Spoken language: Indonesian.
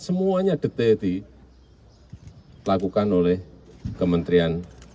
semuanya detik detik dilakukan oleh kementerian pupr